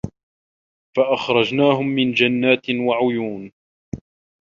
فَأَخرَجناهُم مِن جَنّاتٍ وَعُيونٍ